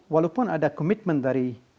walaupun ada commitment dari